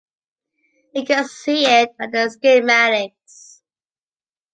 You can see it on the schematics.